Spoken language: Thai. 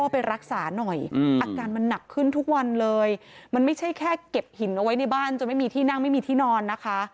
ไปรักษาหน่อยอาการมันหนักขึ้นทุกวันเลยมันไม่ใช่แค่เก็บหินเอาไว้ในบ้านจนไม่มีที่นั่งไม่มีที่นอนนะคะ